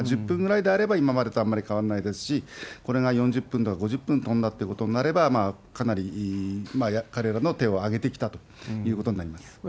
１０分ぐらいであれば、今までとあんまり変わんないですし、これが４０分とか５０分飛んだということになれば、かなり彼らの手を挙げてきたということになります。